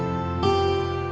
gak ada apa apa